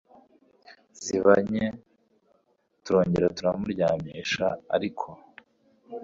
ziba nke turongera turamuryamisha ariko